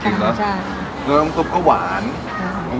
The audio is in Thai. ใช่ใช่เนื้อมันสุบก็หวานอืม